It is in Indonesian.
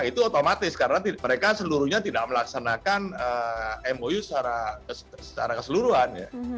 itu otomatis karena mereka seluruhnya tidak melaksanakan mou secara keseluruhan ya